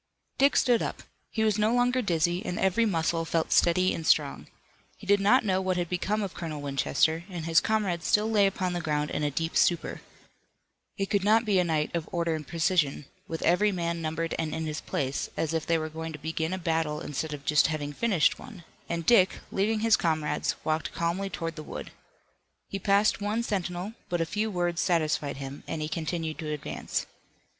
Dick stood up. He was no longer dizzy, and every muscle felt steady and strong. He did not know what had become of Colonel Winchester, and his comrades still lay upon the ground in a deep stupor. It could not be a night of order and precision, with every man numbered and in his place, as if they were going to begin a battle instead of just having finished one, and Dick, leaving his comrades, walked calmly toward the wood. He passed one sentinel, but a few words satisfied him, and he continued to advance.